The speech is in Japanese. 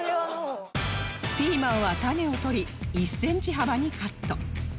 ピーマンは種を取り１センチ幅にカット